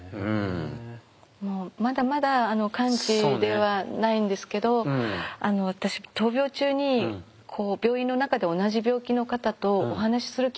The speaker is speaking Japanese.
まだまだ完治ではないんですけど私闘病中に病院の中で同じ病気の方とお話しする機会がなかったんです。